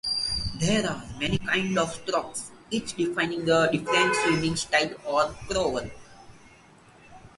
There are many kinds of strokes, each defining a different swimming style or crawl.